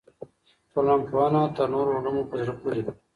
ټولنپوهنه تر نورو علومو په زړه پورې ده.